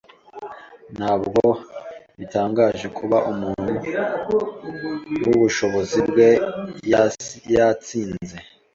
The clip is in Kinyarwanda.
Ntabwo bitangaje kuba umuntu wubushobozi bwe yatsinze.